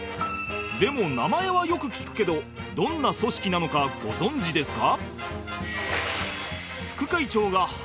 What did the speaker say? でも名前はよく聞くけどどんな組織なのかご存じですか？